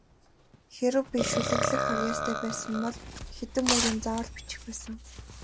Хэрэв би шүлэглэх авьяастай сан бол хэдэн мөр юм заавал бичих байсан.